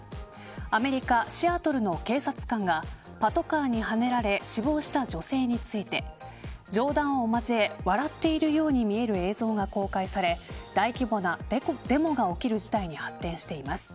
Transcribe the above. アメリカ・シアトルの警察官がパトカーにはねられ死亡した女性について冗談をまじえ笑っているように見える映像が公開され大規模なデモが起きる事態に発展しています。